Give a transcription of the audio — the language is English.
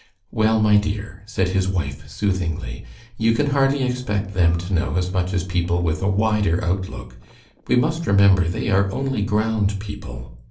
"Well, my dear," said his wife, soothingly, "you can hardly expect them to know as much as people with a wider outlook. We must remember they are only ground people."